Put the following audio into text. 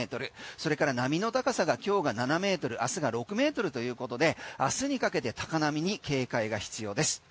それから波の高さが今日が７ｍ明日が６ｍということで明日にかけて高波に警戒が必要です。